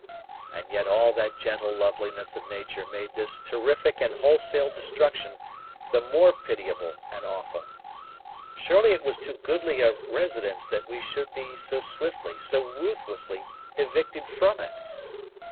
And yet all that gentle loveliness of nature made this terrific and wholesale destruction the more pitiable and awful. Surely it was too goodly a residence that we should be so swiftly, so ruthlessly, evicted from it!